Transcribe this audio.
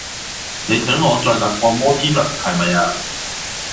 你想我再搭過摩天輪係咪吖？